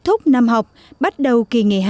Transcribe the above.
thúc năm học bắt đầu kỳ ngày hè